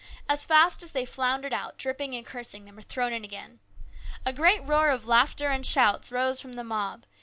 As fast as they floundered out, dripping and cursing, they were thrown in again. A great roar of laughter and 94 HIS BROTHER'S KEEPER. shouts rose from the mob.